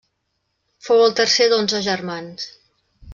Fou el tercer d’onze germans.